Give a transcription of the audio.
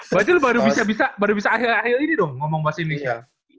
berarti baru bisa bisa baru bisa akhir akhir ini dong ngomong bahasa indonesia